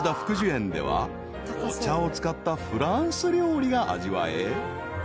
園ではお茶を使ったフランス料理が味わえ］